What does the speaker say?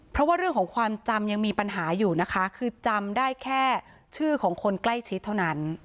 เพราะว่าเรื่องของความจำยังมีปัญหาอยู่นะคะคือจำได้แค่ชื่อของคนใกล้ชิดเท่านั้น